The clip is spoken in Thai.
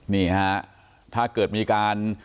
นี่ฮะถ้าเกิดมีการ